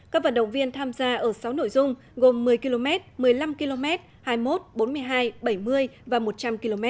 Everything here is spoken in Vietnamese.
các vận động viên tham gia ở sáu nội dung gồm một mươi km một mươi năm km hai mươi một bốn mươi hai bảy mươi và một trăm linh km